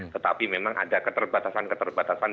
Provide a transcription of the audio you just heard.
tetapi memang ada keterbatasan keterbatasan